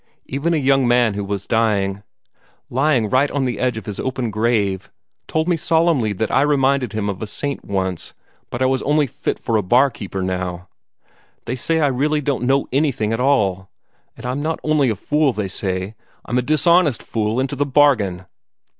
Even a young man who was dying lying right on the edge of his open grave told me solemnly that I reminded him of a saint once, but I was only fit for a barkeeper now. They say I really don't know anything at all. And I'm not only a fool, they say, I'm a dishonest fool into the bargain!"